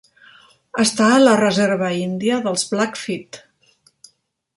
Està a la reserva índia dels Blackfeet.